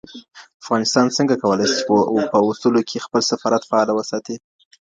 افغانستان څنګه کولای سي په اوسلو کي خپل سفارت فعال وساتي؟